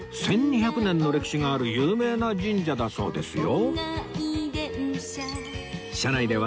１２００年の歴史がある有名な神社だそうですよ